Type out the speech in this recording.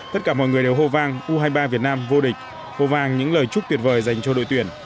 tất cả mọi người đều hô vang u hai mươi ba việt nam vô địch hô vang những lời chúc tuyệt vời dành cho đội tuyển